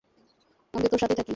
আমি তো তোর সাথেই থাকি।